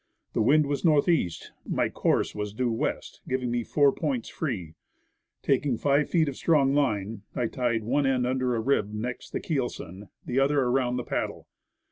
The wind was northeast; my course was due west, giving me four points free. Taking five feet of strong line, I tied one end under a rib next the keelson, and the other around the paddle.